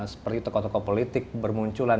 seperti tokoh tokoh politik bermunculan